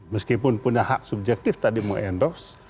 meskipun punya hak subjektif tadi meng endorse